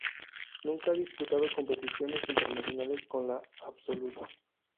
Nunca ha disputado competiciones internacionales con la absoluta.